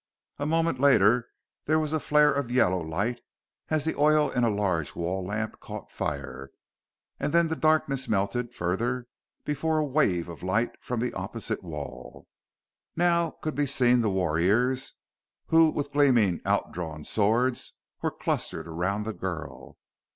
A moment later there was a flare of yellow light as the oil in a large wall lamp caught fire, and then the darkness melted further before a wave of light from the opposite wall. Now could be seen the warriors who, with gleaming outdrawn swords, were clustered around the girl.